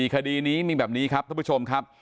คดีนี้มีแบบนี้ครับท่านผู้ชมครับ